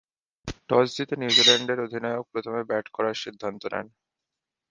Toss জিতে নিউজিল্যান্ডের অধিনায়ক প্রথমে ব্যাট করার সিদ্ধান্ত নেন।